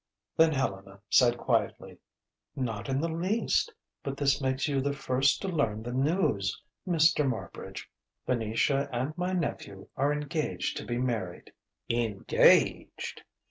Then Helena said quietly: "Not in the least. But this makes you the first to learn the news, Mr. Marbridge. Venetia and my nephew are engaged to be married." "Engaged